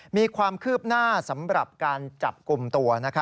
มีความคืบหน้าสำหรับการจับกลุ่มตัว